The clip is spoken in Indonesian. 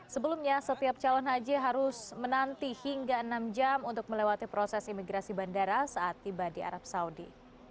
sebelumnya setiap calon haji harus menanti hingga enam jam untuk melewati proses imigrasi bandara saat tiba di arab saudi